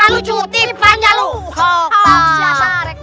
kalau tidak kita akan